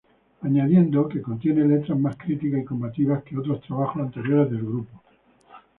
Añadiendo que contiene letras más críticas y combativas que otros trabajos anteriores del grupo.